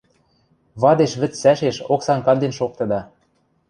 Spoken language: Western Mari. Вадеш вӹц цӓшеш оксам канден шоктыда.